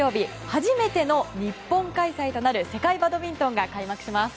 初めての日本開催となる世界バドミントンが開幕します。